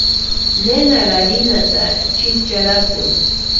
Nenari arhinhataraa chiti charhakuni.